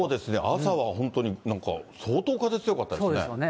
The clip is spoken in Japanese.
朝は本当になんか相当風強かったですね。